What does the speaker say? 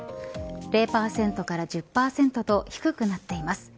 ０％から１０％と低くなっています。